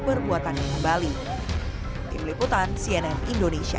perbuatan kembali di meliputan cnn indonesia